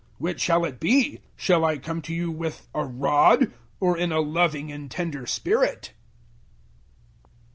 004:021 Which shall it be? Shall I come to you with a rod, or in a loving and tender spirit?